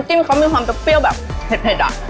จิ้มเขามีความจะเปรี้ยวแบบเผ็ดอะ